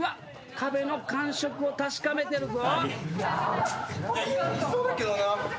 壁の感触を確かめてるぞ。